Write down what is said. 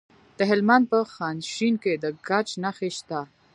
د هلمند په خانشین کې د ګچ نښې شته.